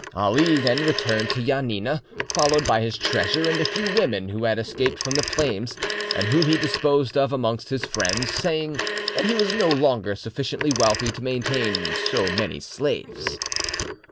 Ali then returned to Janina, followed by his treasure and a few women who had escaped from the flames, and whom he disposed of amongst his friends, saying that he was no longer sufficiently wealthy to maintain so many slaves.